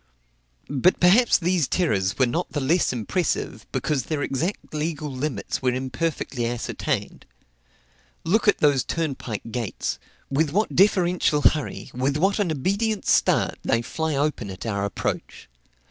But perhaps these terrors were not the less impressive, because their exact legal limits were imperfectly ascertained. Look at those turnpike gates; with what deferential hurry, with what an obedient start, they fly open at our approach!